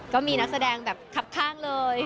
ก็มีนักแสดงแบบคับข้างเลย